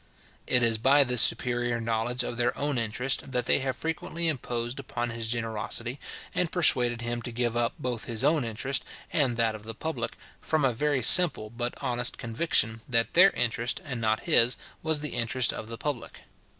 It is by this superior knowledge of their own interest that they have frequently imposed upon his generosity, and persuaded him to give up both his own interest and that of the public, from a very simple but honest conviction, that their interest, and not his, was the interest of the public.